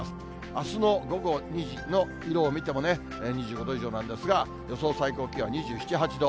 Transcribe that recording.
あすの午後２時の色を見ても、２５度以上なんですが、予想最高気温、２７、８度。